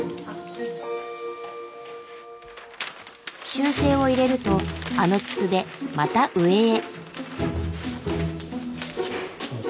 修正を入れるとあの筒でまた上へ。